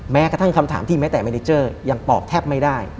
แม้กระทั่งคำถามที่แม้แต่เมนิเจอร์ยังตอบแทบไม่ได้